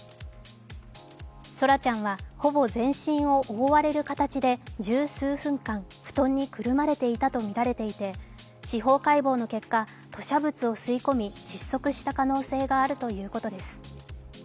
奏良ちゃんはほぼ全身を覆われる形で十数分間、布団にくるまれていたとみられていて司法解剖の結果、吐しゃ物を吸い込み、窒息した可能性があるということです。